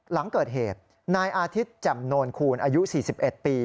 หลังเกิดเหตุนายอาทิตย์แจ่มโนนคูณอายุ๔๑ปี